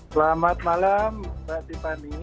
selamat malam mbak tiffany